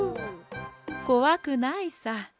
こわくないさ。